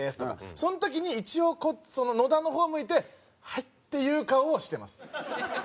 その時に一応野田の方向いて「はい」っていう顔をしてます。